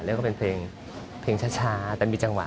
เรียกว่าเป็นเพลงช้าแต่มีจังหวะ